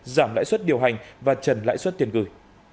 giảm lãi suất điều hành và trần lãi suất tiền gửi